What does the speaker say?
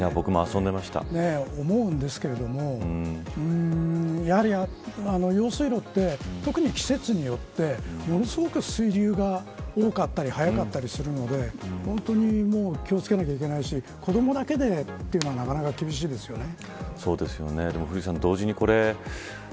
そう思うんですけども用水路って特に季節によってものすごく水流が多かったり速かったりするので本当に気を付けなければいけないし子どもだけでっていうのはなかなか厳しいですよね。